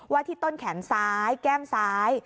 ที่ต้นแขนซ้ายแก้มซ้าย